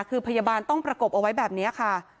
คือพยาบาลต้องประกบเอาไว้แบบนี้ค่ะ